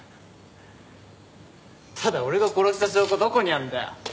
ただ俺が殺した証拠どこにあるんだよ？